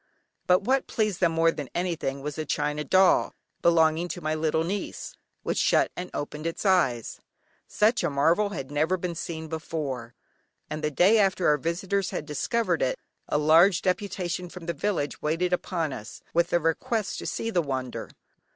But what pleased them more than anything was a china doll, belonging to my little niece, which shut and opened its eyes. Such a marvel had never been seen before, and the day after our visitors had discovered it, a large deputation from the village waited upon us, with a request to see the wonder.